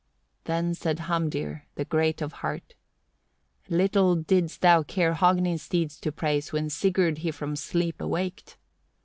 4. Then said Hamdir, the great of heart: "Little didst thou care Hogni's deed to praise, when Sigurd he from sleep awaked.